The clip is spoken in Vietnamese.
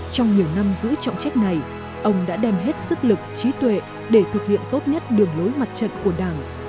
trong nhiều năm giữ trọng trách này ông đã đem hết sức lực trí tuệ để thực hiện tốt nhất đường lối mặt trận của đảng